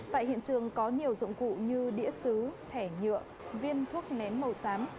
tại hiện trường có nhiều dụng cụ như đĩa xứ thẻ nhựa viên thuốc nén màu xám